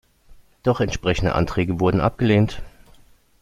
Doch entsprechende Anträge wurden abgelehnt.